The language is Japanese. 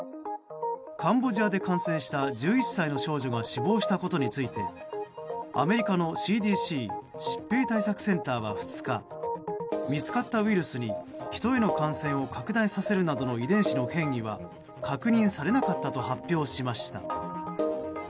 カンボジアで感染した１１歳の少女が死亡したことについてアメリカのＣＤＣ・疾病対策センターは２日見つかったウイルスに人への感染を拡大させるなどの遺伝子の変異は確認されたなかったと発表しました。